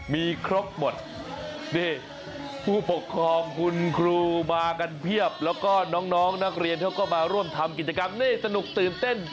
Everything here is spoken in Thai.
มีครบหมดนี่ผู้ปกครองคุณครูมากันเพียบแล้วก็น้องนักเรียนเขาก็มาร่วมทำกิจกรรมนี่สนุกตื่นเต้น